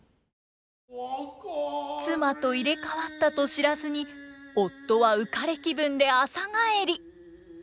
妻と入れ代わったと知らずに夫は浮かれ気分で朝帰り！